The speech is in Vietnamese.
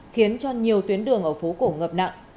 khiến cho nhiều tuyến đường ở phố cổ ngập nặng